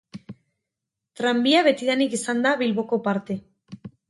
Tranbia betidanik izan da Bilboko parte.